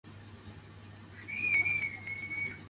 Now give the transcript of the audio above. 扶摇关帝庙始建于明万历二十八年两次重修。